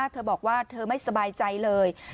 เธอบอกว่าเธอไม่สบายใจเลย